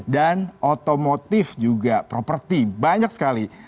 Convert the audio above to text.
dan otomotif juga properti banyak sekali